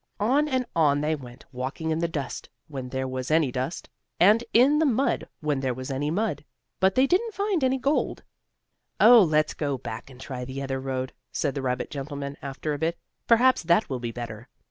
On and on they went, walking in the dust when there was any dust, and in the mud when there was any mud. But they didn't find any gold. "Oh, let's go back and try the other road," said the rabbit gentleman after a bit. "Perhaps that will be better."